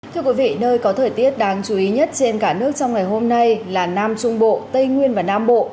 thưa quý vị nơi có thời tiết đáng chú ý nhất trên cả nước trong ngày hôm nay là nam trung bộ tây nguyên và nam bộ